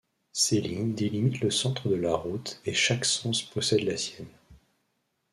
Ces lignes délimitent le centre de la route et chaque sens possède la sienne.